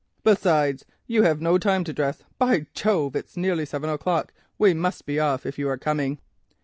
Besides, you have no time to dress. By Jove, it's nearly seven o'clock; we must be off if you are coming."